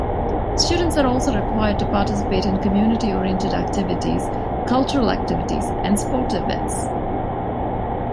Students are also required to participate in community-oriented services, cultural activities, and sport events.